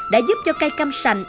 đã giúp cho cây cam sành